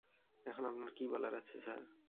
এখন আপনার কী বলার আছে, স্যার?